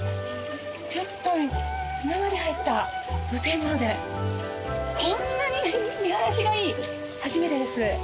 ちょっと今まで入った露天風呂でこんなに見晴らしがいい初めてです。